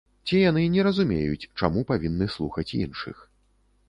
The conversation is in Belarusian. Ці яны не разумеюць, чаму павінны слухаць іншых.